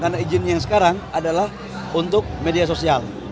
karena izin yang sekarang adalah untuk media sosial